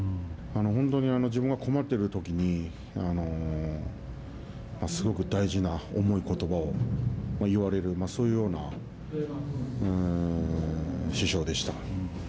本当に自分が困っているときにすごく大事な重いことばを言われるそういうような師匠でした。